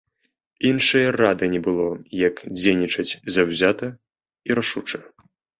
Іншае рады не было як дзейнічаць заўзята і рашуча.